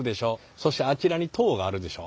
そしてあちらに塔があるでしょ？